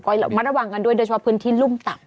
ก็มาระวังกันด้วยเพราะว่าพื้นที่รุ่มต่ำ